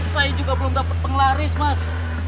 saya juga belum dapat pengelaris mas